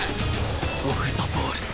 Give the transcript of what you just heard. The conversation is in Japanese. オフ・ザ・ボール